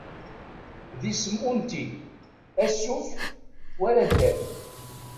D isem unti, asuf, war addad.